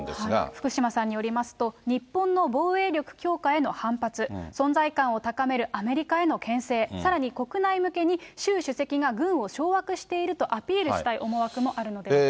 福島さんによりますと、日本の防衛力強化への反発、存在感を高めるアメリカへのけん制、さらに国内向けに習主席が軍を掌握しているとアピールしたい思惑もあるのではと。